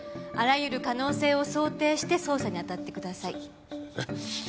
あらゆる可能性を想定して捜査に当たってください。